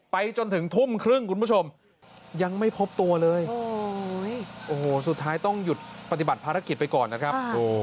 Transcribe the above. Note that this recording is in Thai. จนถึงทุ่มครึ่งคุณผู้ชมยังไม่พบตัวเลยโอ้โหสุดท้ายต้องหยุดปฏิบัติภารกิจไปก่อนนะครับ